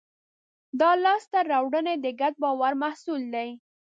دا لاستهراوړنې د ګډ باور محصول دي.